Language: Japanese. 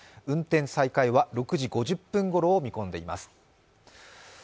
運転再開は６時５０分ごろを見込んでいます。